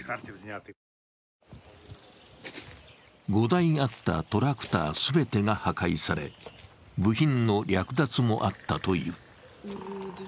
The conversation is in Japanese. ５台あったトラクター全てが破壊され、部品の略奪もあったという。